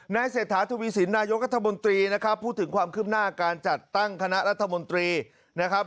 เศรษฐาทวีสินนายกรัฐมนตรีนะครับพูดถึงความคืบหน้าการจัดตั้งคณะรัฐมนตรีนะครับ